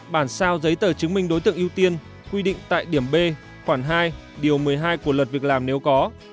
bản sao giấy tờ chứng minh đối tượng ưu tiên quy định tại điểm b khoảng hai điều một mươi hai của luật việc làm nếu có